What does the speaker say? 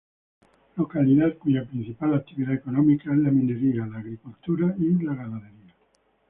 Localidad cuya principal actividad económica es la minería la agricultura y la ganadería.